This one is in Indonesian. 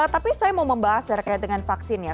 tapi saya mau membahas terkait dengan vaksin ya